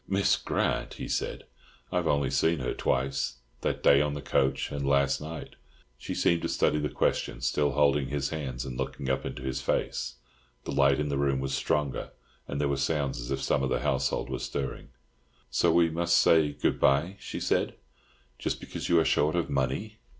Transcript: "Miss Grant!" he said, "I have only seen her twice—that day on the coach and last night." She seemed to study the question, still holding his hands, and looking up into his face. The light in the room was stronger, and there were sounds as if some of the household were stirring. "So we must say 'Good bye!'" she said, "just because you are short of money.